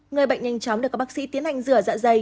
người bệnh nhanh chóng được các bác sĩ tiến hành rửa dạ dày